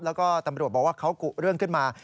แล้วก็ตำรวจบอกว่าเขากุเรื่องขึ้นมา